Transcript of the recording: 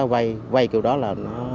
cho vay vay kiểu đó là